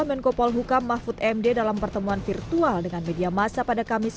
menko polhukam mahfud md dalam pertemuan virtual dengan media masa pada kamis